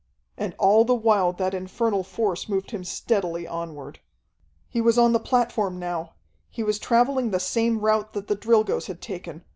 And all the while that infernal force moved him steadily onward. He was on the platform now. He was traveling the same route that the Drilgoes had taken.